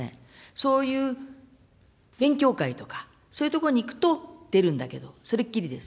そういう勉強会とか、そういう所に行くと出るんだけれども、それっきりです。